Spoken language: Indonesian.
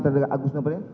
terdakwanya agus noperni